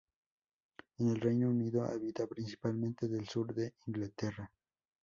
En el Reino Unido, habita principalmente del sur de Inglaterra.